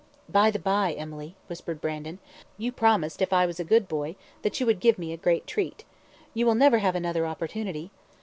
"By the by, Emily," whispered Brandon, "you promised if I was a good boy that you would give me a great treat. You will never have another opportunity."